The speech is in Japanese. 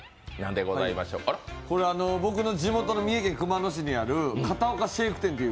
これ、僕の地元の三重県熊野市にある片岡シェーク店っていう。